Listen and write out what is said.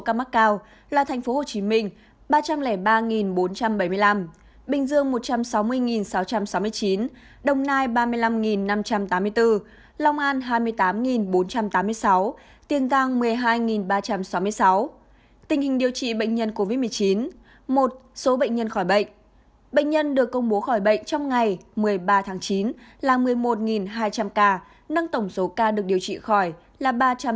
bệnh nhân được công bố khỏi bệnh trong ngày một mươi ba tháng chín là một mươi một hai trăm linh ca nâng tổng số ca được điều trị khỏi là ba trăm tám mươi năm bảy trăm bảy mươi tám